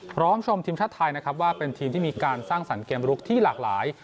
พร้อมชมทีมชาติไทยนะครับว่าเป็นทีมที่มีการสร้างสรรคเกมรุกที่หลากหลาย